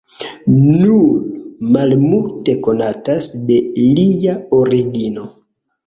Nur malmulte konatas de lia origino.